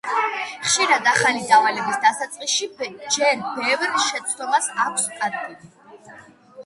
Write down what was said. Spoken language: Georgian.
ხშირად, ახალი დავალების დასაწყისში ჯერ ბევრ შეცდომას აქვს ადგილი.